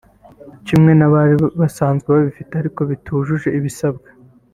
kimwe n’abari basanzwe babifite ariko bitujuje ibisabwa